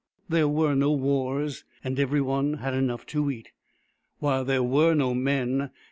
There were no wars, and every one had enough to eat. While there were no men.